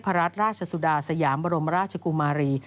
รัฐราชสุดาสยามบรมราชกุมารี